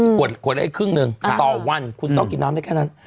ขวดละครึ่งหนึ่งต่อวันคุณต้องกินน้ำได้แค่นั้น